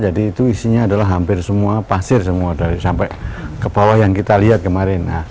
jadi itu isinya adalah hampir semua pasir semua dari sampai ke bawah yang kita lihat kemarin